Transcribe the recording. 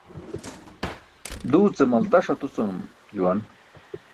Duu ce maltaṣ atucanum juwan